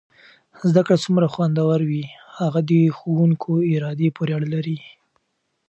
زده کړه څومره خوندور وي هغه د ښو کوونکو ارادې پورې اړه لري.